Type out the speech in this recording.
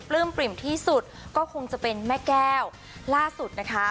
ปริ่มที่สุดก็คงจะเป็นแม่แก้วล่าสุดนะคะ